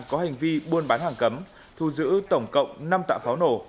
có hành vi buôn bán hàng cấm thu giữ tổng cộng năm tạ pháo nổ